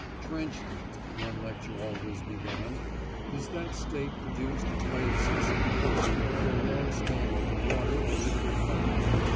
"Trench feet," one lecture always began, "is that state produced by excessive cold or long standing in water or liquid mud."